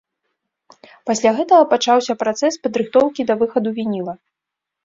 Пасля гэтага пачаўся працэс падрыхтоўкі да выхаду вініла.